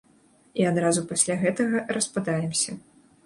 І адразу пасля гэтага распадаемся.